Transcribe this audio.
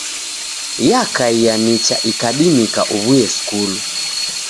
Yakaia nicha ikadimika uw'uye skulu.